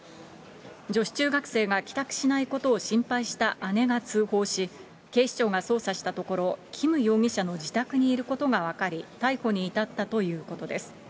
女子中学生が帰宅しないことを心配した姉が通報し、警視庁が捜査したところ、キム容疑者の自宅にいることが分かり、逮捕に至ったということです。